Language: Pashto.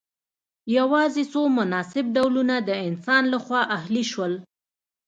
یوازې څو مناسب ډولونه د انسان لخوا اهلي شول.